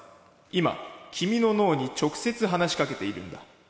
「今君の脳に直接話し掛けているんだ」。